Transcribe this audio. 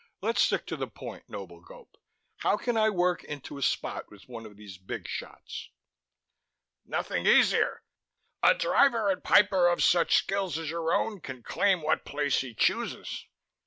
Let's stick to the point, noble Gope. How can I work into a spot with one of these big shots?" "Nothing easier. A Driver and Piper of such skills as your own can claim what place he chooses."